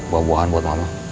buah buahan buat mama